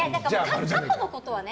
過去のことはね。